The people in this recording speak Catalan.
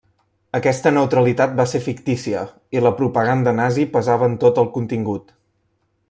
Aquesta neutralitat va ser fictícia i la propaganda nazi pesava en tot el contingut.